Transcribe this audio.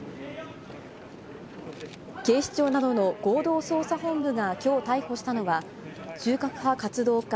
警視庁などの合同捜査本部がきょう逮捕したのは、中核派活動家、